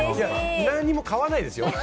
何も買わないですよ。